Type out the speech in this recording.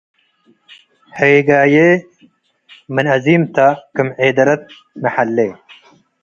ህግያዬ ምን አዚምተ ክም ዔደረት ሚ ሐሌ